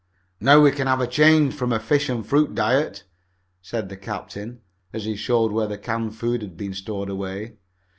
"Now we can have a change from the fish and fruit diet," said the captain, as he showed where the canned food had been stowed away.